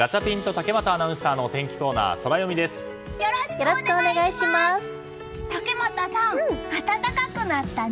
竹俣さん、暖かくなったね。